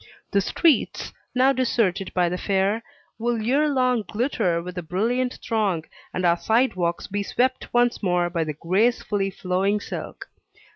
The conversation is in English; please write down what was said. The streets, now deserted by the fair, will ere long glitter with the brilliant throng, and our sidewalks be swept once more by the gracefully flowing silk.